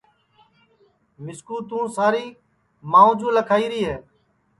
مِسکُو توں ساری مانٚو جُو لکھائیری ہے